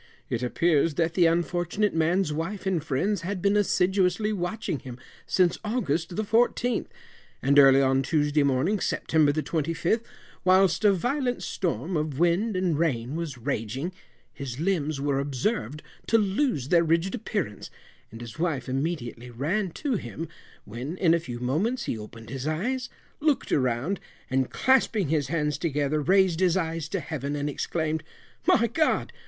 It appears that the unfortunate man's wife and friends had been assiduously watching him since August the 14th, and early on Tuesday morning, September the 25th, whilst a violent storm of wind and rain was raging, his limbs were observed to lose their rigid appearance, and his wife immediately ran to him, when, in a few moments he opened his eyes, looked around, and clasping his hands together, raised his eyes to Heaven, and exclaimed, "My God!